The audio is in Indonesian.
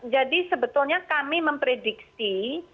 jadi sebetulnya kami memprediksi